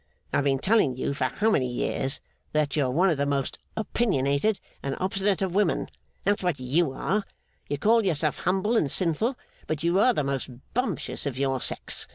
I've been telling you for how many years that you're one of the most opinionated and obstinate of women. That's what you are. You call yourself humble and sinful, but you are the most Bumptious of your sex.